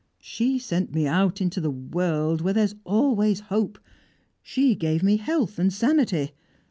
She sent me out into the world, where there is always hope. She gave me health and sanity.